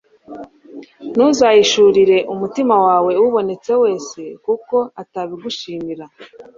ntuzahishurire umutima wawe ubonetse wese, kuko atabigushimira